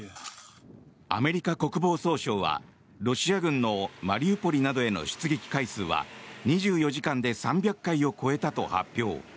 アメリカ国防総省はロシア軍のマリウポリなどへの出撃回数は２４時間で３００回を超えたと発表。